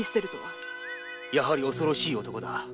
やはり恐ろしい男だ。